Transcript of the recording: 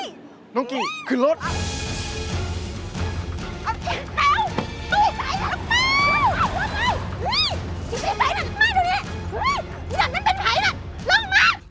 อย่าเป็นไผล่ล่ะลงมา